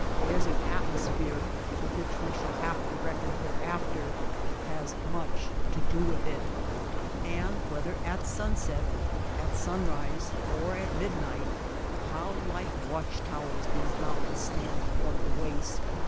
Desert atmosphere, with which we shall have to reckon hereafter, has much to do with it. And whether at sunset, at sunrise, or at mid night, how like watch towers these mountains THE MAKE OF THE DESEKT 43 stand above the waste